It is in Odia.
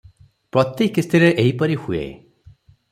ପ୍ରତି କିସ୍ତିରେ ଏହିପରି ହୁଏ ।